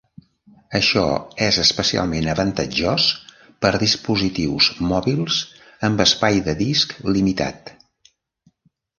Això és especialment avantatjós per dispositius mòbils amb espai de disc limitat.